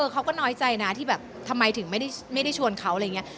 เขาก็น้อยใจนะที่แบบทำไมถึงไม่ได้ชวนเขาอะไรอย่างนี้